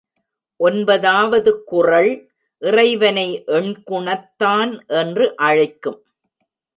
ஒன்பதாவது குறள் இறைவனை எண்குணத்தான் என்று அழைக்கும்.